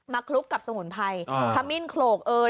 มาคลุกจากสมุนไพร